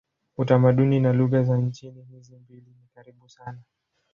Utamaduni na lugha za nchi hizi mbili ni karibu sana.